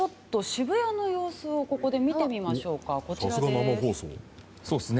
渋谷の様子をここで見てみましょうか。